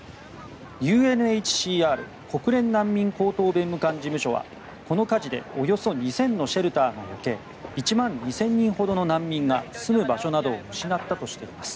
ＵＮＨＣＲ・国連難民高等弁務官事務所はこの火事でおよそ２０００のシェルターが焼け１万２０００人ほどの難民が住む場所などを失ったとしています。